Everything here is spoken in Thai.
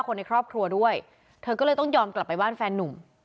คนในครอบครัวด้วยเธอก็เลยต้องยอมกลับไปบ้านแฟนนุ่ม